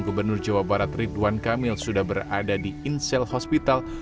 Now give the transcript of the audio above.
gubernur jawa barat ridwan kamil sudah berada di insel hospital